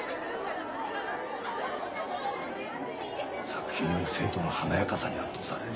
作品より生徒の華やかさに圧倒されるよ。